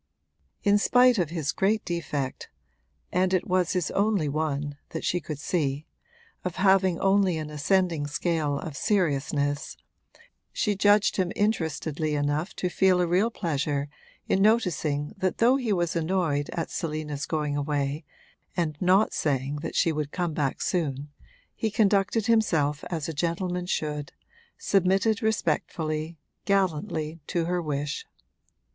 In spite of his great defect (and it was his only one, that she could see) of having only an ascending scale of seriousness, she judged him interestedly enough to feel a real pleasure in noticing that though he was annoyed at Selina's going away and not saying that she would come back soon, he conducted himself as a gentleman should, submitted respectfully, gallantly, to her wish.